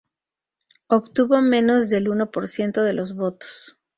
Obtuvo menos del uno por ciento de los votos.